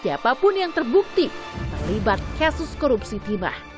siapapun yang terbukti terlibat kasus korupsi timah